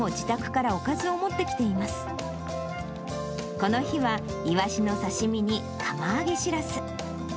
この日はイワシの刺身に釜揚げシラス。